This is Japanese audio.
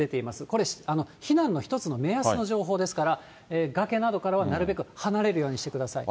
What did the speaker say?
これ、避難の一つの目安の情報ですから、崖などからはなるべく離れるようしてください。